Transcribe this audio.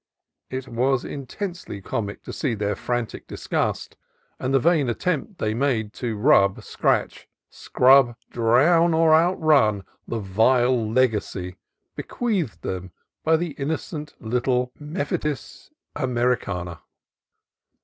It was intensely comic to see their frantic disgust, and the vain at tempts they made to rub, scrub, scratch, drown, or outrun the vile legacy bequeathed them by innocent little Mephitis americana.